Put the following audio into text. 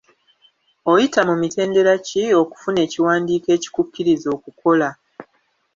Oyita mu mitendera ki okufuna ekiwandiiko ekikukkiriza okukola?